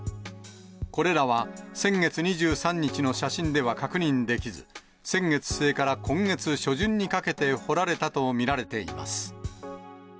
これらは先月２３日の写真では確認できず、先月末から今月初旬にかけて掘られたと見られています。